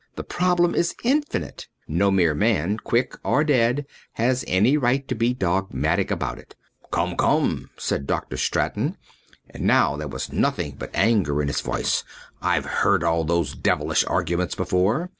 The problem is infinite. No mere man, quick or dead, has any right to be dogmatic about it." "Come, come," said Dr. Straton, and now there was nothing but anger in his voice, "I've heard all those devilish arguments before.